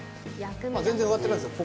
全然植わってないですよ